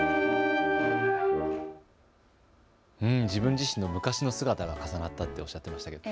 自分自身の昔の姿が重なったとおっしゃっていました。